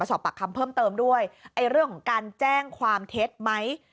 สอบปากคำเพิ่มเติมด้วยไอ้เรื่องของการแจ้งความเท็จไหม